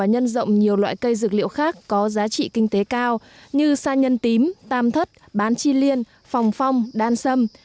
huyện simacai cũng đưa vào trồng nhiều loại cây dược liệu khác có giá trị kinh tế cao như sa nhân tím tam thất bán chi liên phòng phong đan sâm